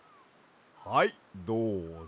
はいどうぞ！